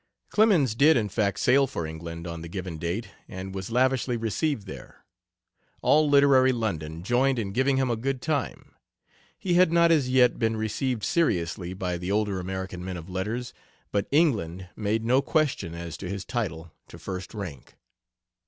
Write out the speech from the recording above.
Clemens did, in fact, sail for England on the given date, and was lavishly received there. All literary London joined in giving him a good time. He had not as yet been received seriously by the older American men of letters, but England made no question as to his title to first rank.